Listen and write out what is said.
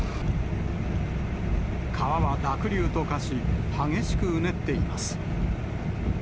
川は濁流と化し、激しくうねっています。